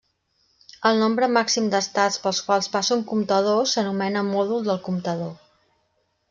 El nombre màxim d'estats pels quals passa un comptador s'anomena mòdul del comptador.